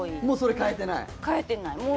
もうそれ変えてない？